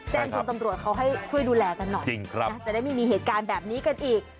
แจ้งคุณตำรวจเขาให้ช่วยดูแลกันหน่อยจะได้ไม่มีเหตุการณ์แบบนี้กันอีก